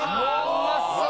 うまそう！